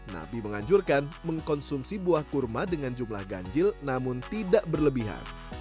nabi menganjurkan mengkonsumsi buah kurma dengan jumlah ganjil namun tidak berlebihan